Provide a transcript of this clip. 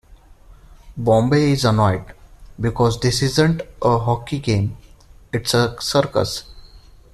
Bombay is annoyed because this isn't a hockey game, it's a circus.